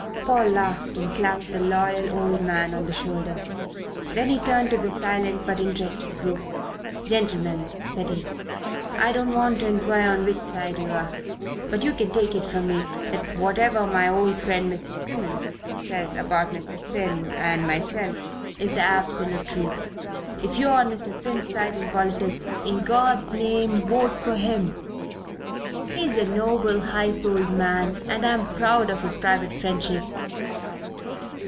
Paul laughed and clapped the loyal old man on the shoulder. Then he turned to the silent but interested group. "Gentlemen," said he, "I don't want to inquire on which side you are; but you can take it from me that whatever my old friend Mr. Simmons says about Mr. Finn and myself is the absolute truth. If you're on Mr. Finn's side in politics, in God's name vote for him. He's a noble, high souled man and I'm proud of his private friendship."